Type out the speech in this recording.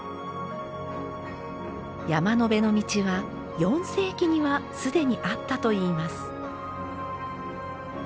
山辺の道は４世紀には既にあったといいます。